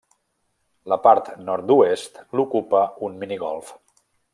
La part nord-oest l'ocupa un minigolf.